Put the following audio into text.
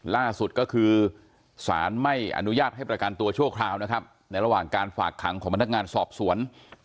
ล่าสุดก็คือสารไม่อนุญาตให้ประกันตัวชั่วคราวนะครับในระหว่างการฝากขังของพนักงานสอบสวน